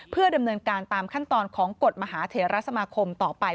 เพื่อดำเนินการตามขั้นตอนของกฎมหาเถระสมาคมต่อไป